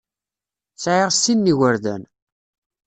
Sɛiɣ sin n yigerdan.